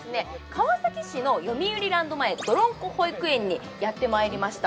川崎市の読売ランド前どろんこ保育園にやってまいりました